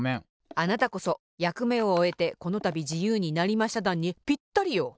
あなたこそ「やくめをおえてこのたびじゆうになりましただん」にぴったりよ。